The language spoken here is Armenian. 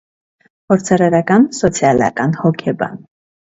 Փորձարարական սոցիալական հոգեբան։